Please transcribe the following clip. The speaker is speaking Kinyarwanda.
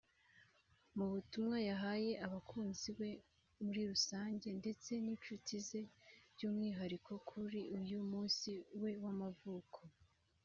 Mu butumwa yahaye abakunzibe muri rusange ndetse n’inshuti ze by’umwihariko kuri uyu munsi we w’amavuko